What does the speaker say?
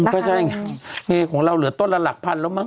ก็ใช่นี่ของเราเหลือต้นละหลักพันธุ์แล้วมั้ง